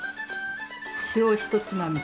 塩ひとつまみ。